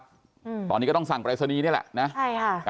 อืมตอนนี้ก็ต้องสั่งปรายศนีย์นี่แหละนะใช่ค่ะ